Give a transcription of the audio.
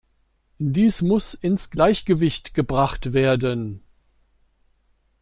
Dies muss ins Gleichgewicht gebracht werden.